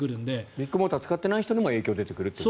ビッグモーター使ってない人にも影響が出てくるという。